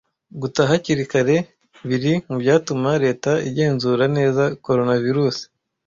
Gutaha hakiri kare biri mubyatuma Leta igenzura neza coronavirus.